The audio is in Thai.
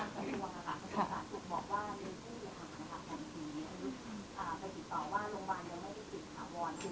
ไปติดต่อว่าโรงพยาบาลยังไม่ได้ถึง